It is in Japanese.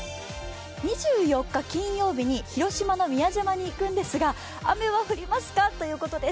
２４日金曜日に広島の宮島に行くんですが、雨は降りますかということです。